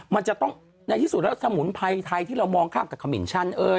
มันจะต้องในที่สุดแล้วสมุนไพรไทยที่เรามองข้ามกับขมินชันเอ้ย